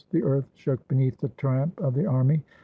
The earth shook beneath the tramp of the army.